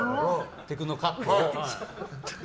テクノカットを。